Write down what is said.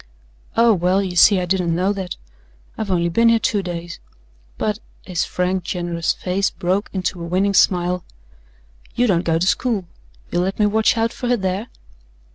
"Oh, well, you see I didn't know that. I've only been here two days. But" his frank, generous face broke into a winning smile "you don't go to school. You'll let me watch out for her there?"